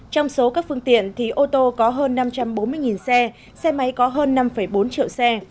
trong số các phương tiện thì ô tô có hơn năm trăm bốn mươi xe xe máy có hơn năm bốn triệu xe